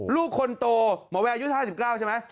ลูกคนโตหมอแวร์อายุ๕๙ใช่ไหม